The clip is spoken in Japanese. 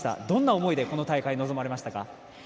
どんな思いでこの大会に臨まれましたか？